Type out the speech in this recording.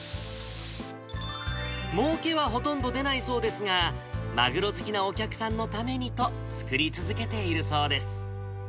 もうけはほとんど出ないそうですが、マグロ好きなお客さんのためにと、作り続けているそうです。